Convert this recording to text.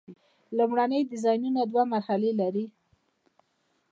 لومړني ډیزاینونه دوه مرحلې لري.